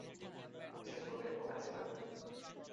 Mrs Rubin ওখানেই থাকবেন।